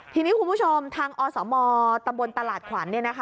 ทีนี้คุณผู้ชมทางอสมตำบลตลาดขวัญ